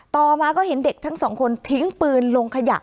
ต่อมาก็เห็นเด็กทั้งสองคนทิ้งปืนลงขยะ